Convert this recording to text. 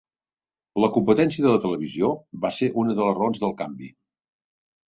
La competència de la televisió va ser una de les raons del canvi.